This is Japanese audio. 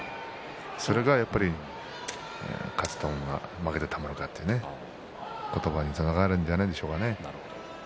それがやっぱり勝つと思うな負けてたまるかと思えという言葉につながるんじゃないですかね。